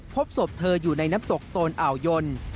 พบศพเธออยู่ในน้ำตกโตนอ่าวยน